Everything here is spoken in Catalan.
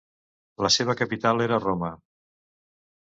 La seva capital era Roma.